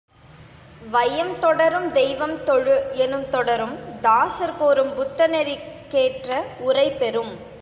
வையம் தொடரும் தெய்வம் தொழு எனும் தொடரும் தாசர் கூறும் புத்தநெறிக்கேற்ற உரை பெறும்.